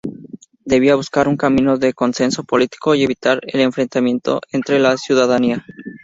Debía buscar un camino de consenso político y evitar el enfrentamiento entre la ciudadanía.